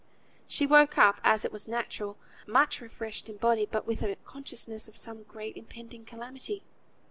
She awakened, as it was natural, much refreshed in body; but with a consciousness of some great impending calamity.